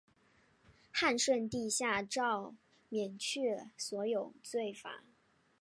汉顺帝下诏免去所有罪罚。